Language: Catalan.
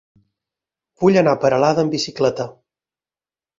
Vull anar a Peralada amb bicicleta.